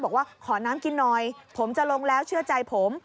บอกว่าขอน้ำกินหน่อยผมจะลงแล้วเชื่อใจผม